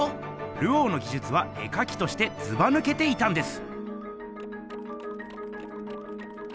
ルオーのぎじゅつは絵かきとしてずばぬけていたんです。